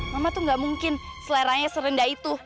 mama tuh gak mungkin seleranya serendah itu